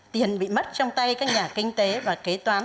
tiền bị mất trong tay các nhà kinh tế và kế toán